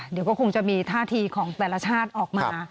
เดี๋ยวก็คงจะมีท่าทีของแต่ละชาติออกมา